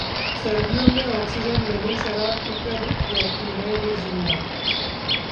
सर्दियों में ऑक्सीजन नहीं, शराब पीकर रहती हैं ये जिंदा